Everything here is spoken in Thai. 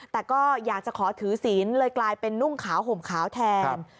แต่ก็อยากจะขอถือศีลเลยกลายเป็นนุ่งขาวห่มขาวแทน